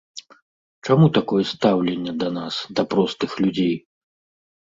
Чаму такое стаўленне да нас, да простых людзей?